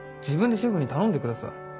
自分でシェフに頼んでください。